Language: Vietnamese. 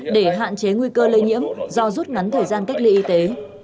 để hạn chế nguy cơ lây nhiễm do rút ngắn thời gian cách ly y tế